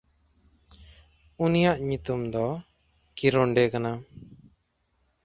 ᱩᱱᱤᱭᱟᱜ ᱧᱩᱛᱩᱢ ᱫᱚ ᱠᱤᱨᱚᱱᱰᱮ ᱠᱟᱱᱟ᱾